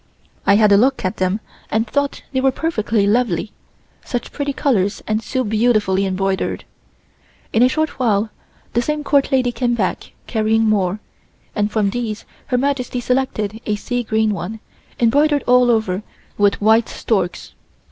I had a look at them and thought they were perfectly lovely, such pretty colors and so beautifully embroidered. In a short while the same Court lady came back carrying more, and from these Her Majesty selected a sea green one embroidered all over with white storks.